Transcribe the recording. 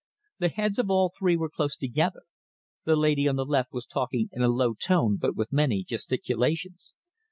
The heads of all three were close together. The lady on the left was talking in a low tone but with many gesticulations.